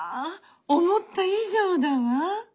思った以上だわ。